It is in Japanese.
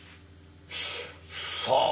さあ。